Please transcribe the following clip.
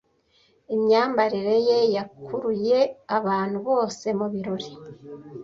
Imyambarire ye yakuruye abantu bose mu birori.